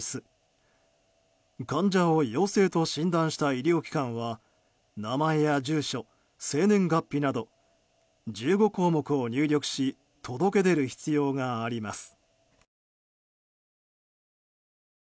患者を陽性と診断した医療機関は名前や住所、生年月日など１５項目を入力し届け出る必要があります。